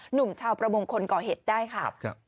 หนุ่มชาวประมงคนก่อเหตุได้ค่ะ